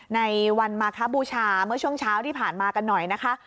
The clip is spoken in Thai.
ในวันมาคบูชาเมื่อช่วงเช้าที่ผ่านมากันหน่อยนะคะ